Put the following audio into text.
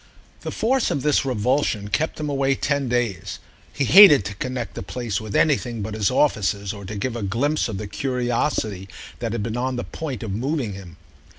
The force of this revulsion kept him away ten days: he hated to connect the place with anything but his offices or to give a glimpse of the curiosity that had been on the point of moving him.